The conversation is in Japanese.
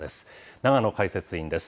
永野解説委員です。